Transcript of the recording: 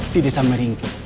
di desa meringgi